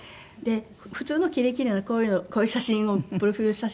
普通の奇麗奇麗なこういう写真をプロフィル写真。